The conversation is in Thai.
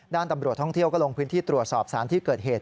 ด้านตำรวจท่องเที่ยวก็ลงพื้นที่ตรวจสอบสารที่เกิดเหตุ